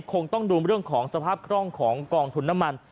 คงต้องดูเรื่องของสภาพคล่องของกองทุนน้ำมัน